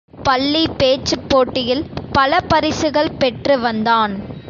பள்ளி பேச்சுப் போட்டியில் பல பரிசுகள் பெற்று வந்தான்.